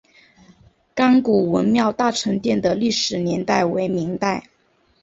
甘谷文庙大成殿的历史年代为明代。